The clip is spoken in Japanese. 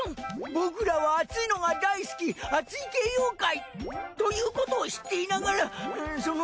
僕らは暑いのが大好き熱い系妖怪！ということを知っていながらその。